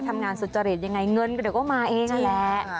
ทำงานสุจริตอย่างไรเงินเดี๋ยวก็มาเองนั่นแหละ